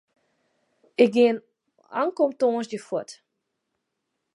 Ik gean ankom tongersdei fuort.